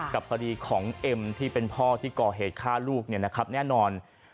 กับคดีของเอ็มที่เป็นพ่อที่ก่อเหตุฆ่าลูกเนี่ยนะครับแน่นอน